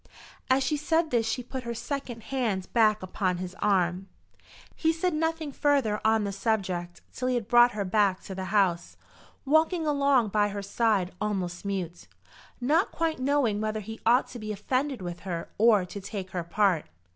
As she said this she put her second hand back upon his arm. He said nothing further on the subject till he had brought her back to the house, walking along by her side almost mute, not quite knowing whether he ought to be offended with her or to take her part.